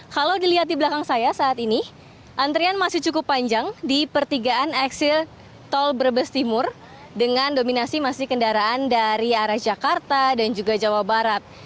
kalau dilihat di belakang saya saat ini antrian masih cukup panjang di pertigaan eksil tol brebes timur dengan dominasi masih kendaraan dari arah jakarta dan juga jawa barat